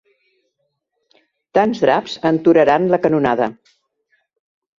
Tants draps enturaran la canonada.